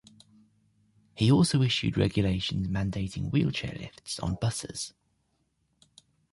He also issued regulations mandating wheelchair lifts on buses.